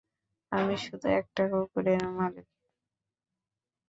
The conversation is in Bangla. আমি শুধু একটা কুকুরের মালিক।